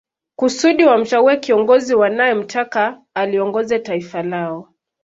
Kusudi wamchague kiongozi wanae mtaka aliongoze taifa lao